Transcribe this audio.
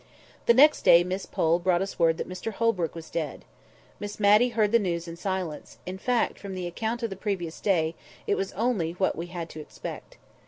The next day Miss Pole brought us word that Mr Holbrook was dead. Miss Matty heard the news in silence; in fact, from the account of the previous day, it was only what we had to expect.